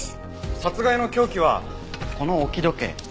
殺害の凶器はこの置き時計。